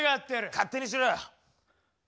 勝手にしろよ。